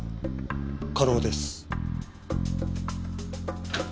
可能です。